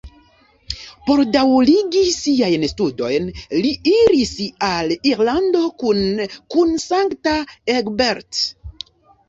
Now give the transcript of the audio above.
Por daŭrigi siajn studojn, li iris al Irlando kune kun Sankta Egbert.